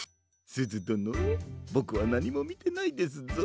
すずどのボクはなにもみてないですぞ。